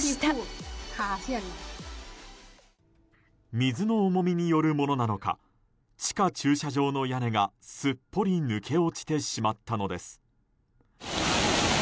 水の重みによるものなのか地下駐車場の屋根がすっぽり抜け落ちてしまったのです。